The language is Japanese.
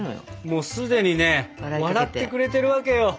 もう既にね笑ってくれてるわけよ。